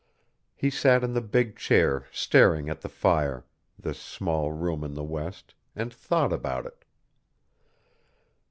He sat in the big chair staring at the fire, this small room in the West, and thought about it.